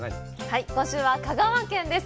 はい今週は香川県です